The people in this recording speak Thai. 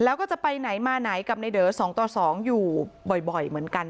แล้วก็จะไปไหนมาไหนกับในเดอร์สองต่อสองอยู่บ่อยบ่อยเหมือนกัน